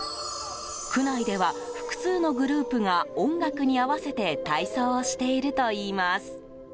区内では複数のグループが音楽に合わせて体操をしているといいます。